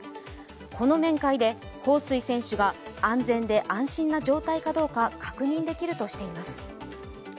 この面会で彭帥選手が安全で安心な状態かどうか確認できるとしています。